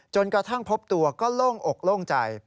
กระทั่งพบตัวก็โล่งอกโล่งใจ